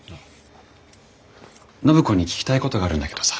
暢子に聞きたいことがあるんだけどさ。